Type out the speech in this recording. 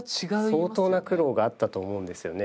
相当な苦労があったと思うんですよね。